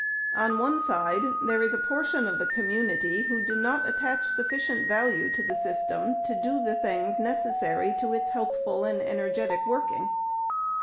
On one side, there is a portion of the community, who do not attach suffi cient value to the system to do the things necessary to its healthful and energetic working.